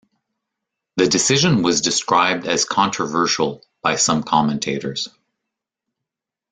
The decision was described as controversial by some commentators.